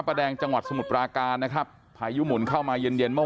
ประแดงจังหวัดสมุทรปราการนะครับพายุหมุนเข้ามาเย็นเย็นเมื่อ